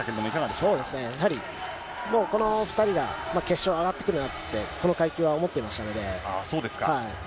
そうですね、やはりこの２人が決勝上がってくるなって、この階級は思ってましそうですか。